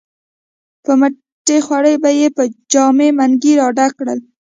په مټې خوارۍ به یې په جام منګي را ډک کړل.